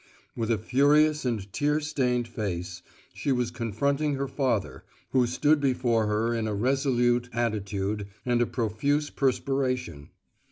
With a furious and tear stained face, she was confronting her father who stood before her in a resolute attitude and a profuse perspiration.